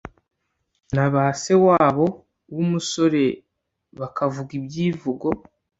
na ba Se wabo w’umusore bakavuga ibyivugo